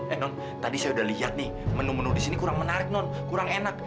eh non tadi saya udah lihat nih menu menu di sini kurang menarik non kurang enak